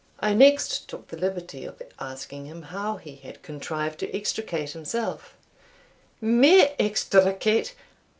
I next took the liberty of asking him how he had contrived to extricate himself. "Me extricate!